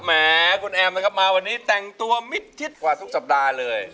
แหมคุณแอมนะครับมาวันนี้แต่งตัวมิดชิดกว่าทุกสัปดาห์เลย